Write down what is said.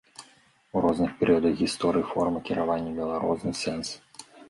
У розных перыядах гісторыі форма кіравання мела розны сэнс.